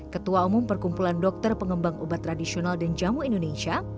ketua umum perkumpulan dokter pengembang obat tradisional dan jamu indonesia